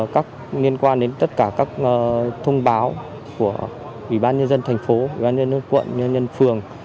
các liên quan đến tất cả các thông báo của ủy ban nhân dân thành phố ủy ban nhân dân quận ủy nhân phường